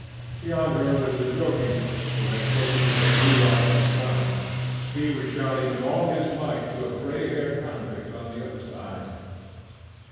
Beyond her was the doorkeeper, who had spoken to Nekhludoff outside; he was shouting with all his might to a greyhaired convict on the other side.